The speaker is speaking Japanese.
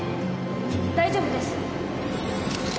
大丈夫です。